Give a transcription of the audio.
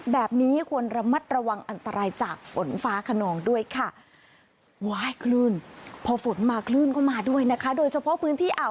แบบนี้ควรระมัดระวังอันตรายจากฝนฟ้าขนองด้วยค่ะ